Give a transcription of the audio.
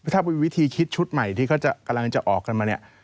ถ้าเป็นวิธีคิดชุดใหม่ที่กำลังจะออกกันมา